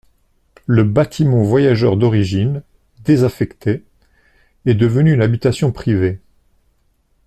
Le bâtiment voyageurs d'origine, désaffecté, est devenu une habitation privée.